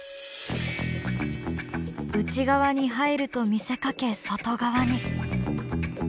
内側に入ると見せかけ外側に。